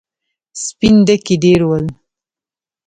سپين ډکي ډېر ول.